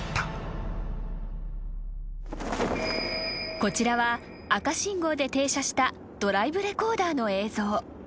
［こちらは赤信号で停車したドライブレコーダーの映像］